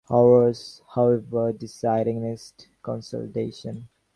Horace, however, decided against consolidation.